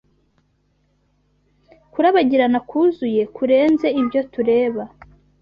Kurabagirana kuzuye kurenze ibyo tureba.